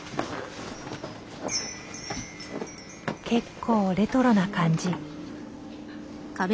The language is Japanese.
結構レトロな感じ。